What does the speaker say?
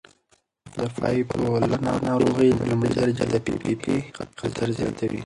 د بایپولار ناروغۍ لومړۍ درجه د پي پي پي خطر زیاتوي.